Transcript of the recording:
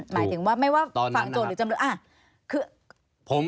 หมายถึงว่าไม่ว่าฝั่งโจรหรือจำเลย